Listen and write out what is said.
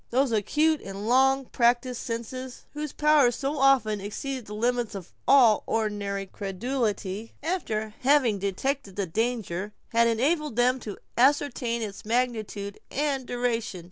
Those acute and long practised senses, whose powers so often exceed the limits of all ordinary credulity, after having detected the danger, had enabled them to ascertain its magnitude and duration.